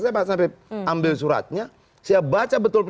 saya sampai ambil suratnya